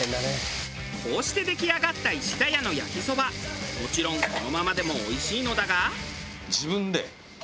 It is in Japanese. こうして出来上がった石田屋の焼きそばもちろんこのままでもおいしいのだが。